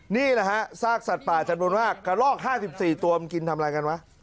นี่แหละฮะซากสัตว์ป่าจำนวนมากกระลอก๕๔ตัวมันกินทำอะไรกันวะ